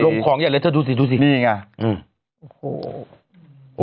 โรงของใหญ่เลยเธอดูสิดูสินี่ไง